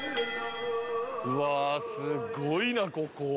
うわすごいなここ。